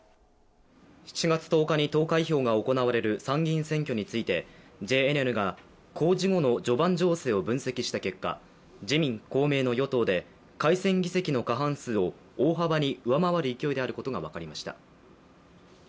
７月１０日に投開票が行われる参議院選挙についてＪＮＮが公示後の序盤情勢を分析した結果、自民・公明の与党で改選議席の過半数を大幅に上回る勢いであることが分かりました。